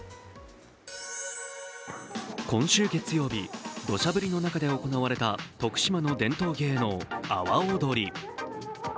今週月曜日、土砂降りの中で行われた徳島の伝統芸能・阿波おどり。